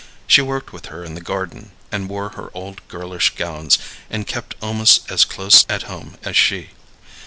She worked with her in the garden, and wore her old girlish gowns, and kept almost as close at home as she.